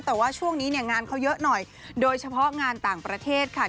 แต่ว่าช่วงนี้เนี่ยงานเขาเยอะหน่อยโดยเฉพาะงานต่างประเทศค่ะ